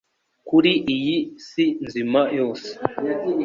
kuri iyi si nzima yose